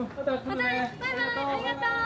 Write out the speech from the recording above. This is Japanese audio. またねバイバイありがとう。